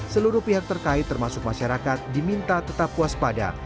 seluruh pihak terkait termasuk masyarakat diminta tetap puas pada